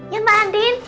ya mbak andin